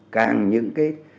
càng những cái